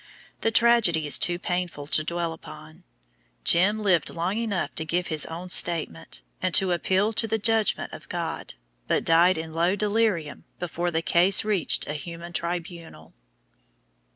The tragedy is too painful to dwell upon. "Jim" lived long enough to give his own statement, and to appeal to the judgment of God, but died in low delirium before the case reached a human tribunal.